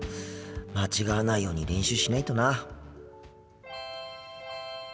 間違わないように練習しないとな。